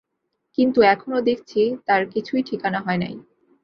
কিন্তু এখনও দেখছি তার কিছুই ঠিকানা হয় নাই।